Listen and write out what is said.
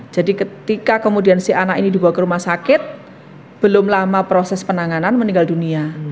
jadi ketika kemudian si anak ini dibawa ke rumah sakit belum lama proses penanganan meninggal dunia